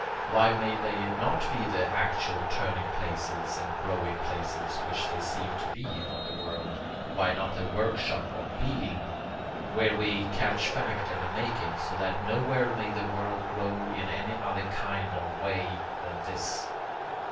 Why may they not be the actual turning places and growing places which they seem to be, of the world why not the workshop of being, where we catch fact in the making, so that nowhere may the world grow in any other kind of way than this?